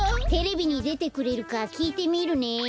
テレビにでてくれるかきいてみるね。